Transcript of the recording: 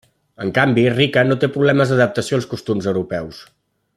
En canvi, Rica no té problemes d'adaptació als costums europeus.